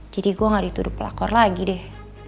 jadi gue gak dituduh pelakor lagi deh